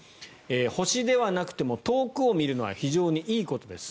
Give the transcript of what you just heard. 星ではなくても遠くを見るのは非常にいいことです。